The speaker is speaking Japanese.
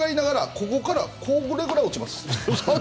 ここから、これぐらい落ちます。